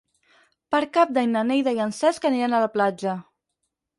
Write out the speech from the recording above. Per Cap d'Any na Neida i en Cesc aniran a la platja.